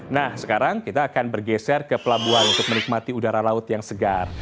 nah sekarang kita akan bergeser ke pelabuhan untuk menikmati udara laut yang segar